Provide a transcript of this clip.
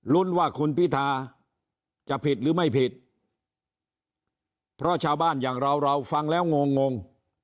รุ้นว่าคุณพิธาจะผิดหรือไม่ผิดเพราะชาวบ้านอย่างเราเราฟังแล้วงงงง